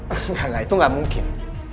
enggak enggak itu nggak mungkin